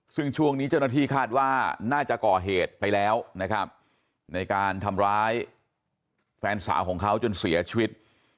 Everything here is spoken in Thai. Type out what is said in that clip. ซึ่งช่วงนี้เจ้าหน้าที่คาดว่าน่าจะก่อเหตุไปแล้วนะครับในการทำร้ายแฟนสาวของเขาจนเสียชีวิต